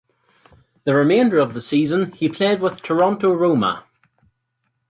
The remainder of the season he played with Toronto Roma.